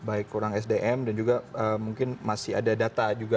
baik kurang sdm dan juga mungkin masih ada data juga